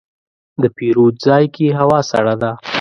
د پیرود ځای کې هوا سړه ده.